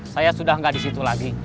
saya sudah tidak di situ lagi